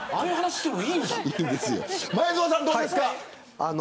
前園さんはどうですか。